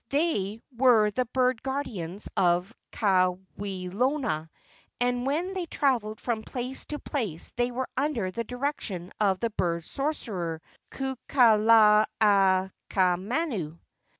They were the bird guardians of Kawelona, and when they travelled from place to place they were under the direction of the bird sorcerer, Kukala a ka manu.